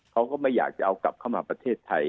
เขาก็ไม่อยากจะเอากลับเข้ามาประเทศไทย